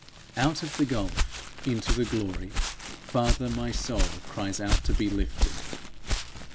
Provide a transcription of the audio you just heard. Out of the gulf into the glory, Father, my soul cries out to be lifted.